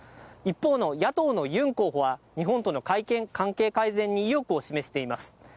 一方の野党のユン候補は、日本との関係改善に意欲を示しています。